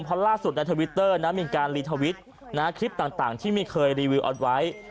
เพราะล่าสุดในทวิตเตอร์มีการรีทวิตคลิปต่างที่ไม่เคยรีวิวเอาไว้